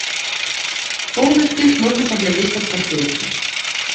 Поўны спіс можна паглядзець па спасылцы.